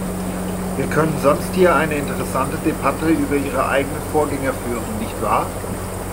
Wir können sonst hier eine interessante Debatte über Ihre eigenen Vorgänger führen, nicht wahr?